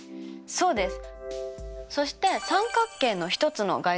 そうです。